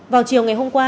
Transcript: vào chiều ngày hôm qua